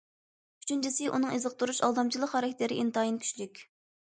ئۈچىنچىسى، ئۇنىڭ ئېزىقتۇرۇش، ئالدامچىلىق خاراكتېرى ئىنتايىن كۈچلۈك.